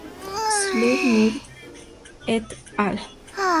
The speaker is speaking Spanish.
Sterling Nesbitt "et al.